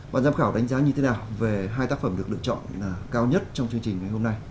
bà giám khảo đánh giá như thế nào về hai tác phẩm được lựa chọn là cao nhất trong chương trình ngày hôm nay